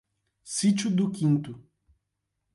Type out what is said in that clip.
Sítio do Quinto